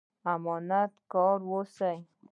امانت کاره اوسئ